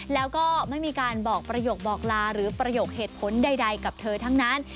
แล้วก็ไม่มีการบอกประโยคบอกลาหรือประโยคเหตุผลใดกับเธอทั้งนั้น